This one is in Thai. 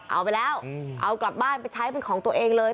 เอาไปแล้วเอากลับบ้านไปใช้เป็นของตัวเองเลย